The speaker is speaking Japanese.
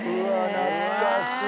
懐かしい！